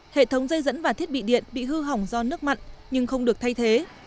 hệ thống dây dẫn và thiết bị điện bị hư hỏng do nước mặn nhưng không được thay thế